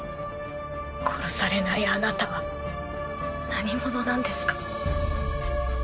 殺されないあなたは何者なんですか？